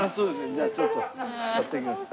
じゃあちょっと買っていきます。